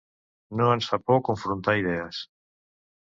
No ens fa por confrontar idees.